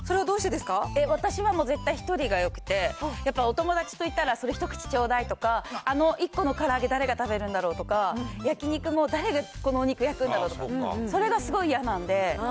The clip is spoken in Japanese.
私はもう絶対１人がよくて、やっぱお友達と行ったら、それ一口ちょうだいとか、あの１個の唐揚げ、誰が食べるんだろうとか、焼き肉も誰がこのお肉焼くんだろうとか、それがすごい嫌なんで。